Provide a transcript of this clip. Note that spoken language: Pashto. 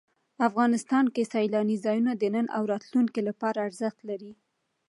افغانستان کې سیلانی ځایونه د نن او راتلونکي لپاره ارزښت لري.